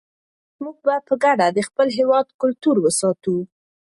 موږ به په ګډه د خپل هېواد کلتور ساتو.